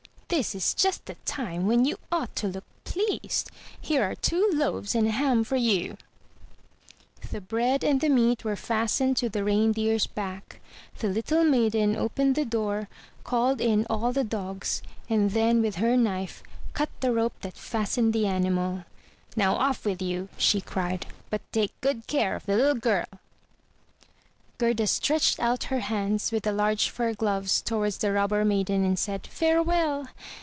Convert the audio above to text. "This is just the time when you ought to look pleased. Here are two loaves and a ham for you." The bread and the meat were fastened to the Reindeer's back; the little maiden opened the door, called in all the dogs, and then with her knife cut the 318 THROUGH FAIRY HALLS rope that fastened the animal. "Now off with you/' she cried, "but take good care of the Uttle girlV* Gerda stretched out her hands with the large fur gloves towards the Robber maiden, and said, "Farewell!'